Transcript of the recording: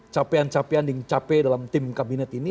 capean capean yang capek dalam tim kabinet ini